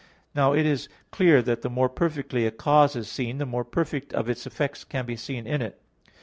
Now it is clear that the more perfectly a cause is seen, the more of its effects can be seen in it.